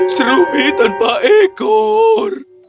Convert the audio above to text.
seru bi tanpa ekor